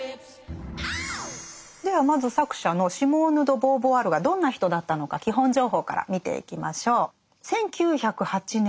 ではまず作者のシモーヌ・ド・ボーヴォワールがどんな人だったのか基本情報から見ていきましょう。